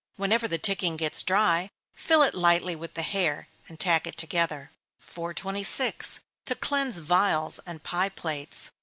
Whenever the ticking gets dry, fill it lightly with the hair, and tack it together. 426. _To cleanse Vials and Pie Plates.